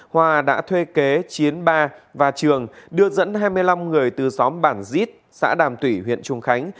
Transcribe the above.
hòa đã thuê kế chiến ba và trường đưa dẫn hai mươi năm người từ xóm bản dít xã đàm thủy huyện trung khánh